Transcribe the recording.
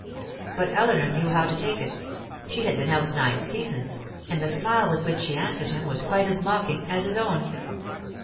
But Eleanor knew how to take it; she had been out nine seasons, and the smile with which she answered him was quite as mocking as his own.